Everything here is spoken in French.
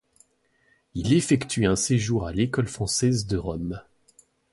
Il effectue un séjour à l'École française de Rome.